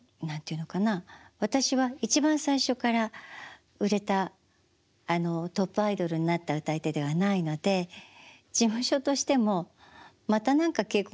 私は一番最初から売れたトップアイドルになった歌い手ではないので事務所としても「また何か稽古事やってるな」と思って。